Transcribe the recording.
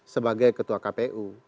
sebagai ketua kpu